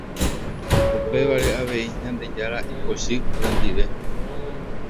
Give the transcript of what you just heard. Upévare avei Ñandejára ipochy orendive.